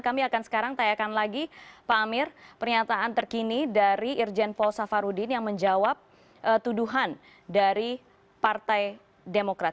kami akan sekarang tanyakan lagi pak amir pernyataan terkini dari irjen paul safarudin yang menjawab tuduhan dari partai demokrat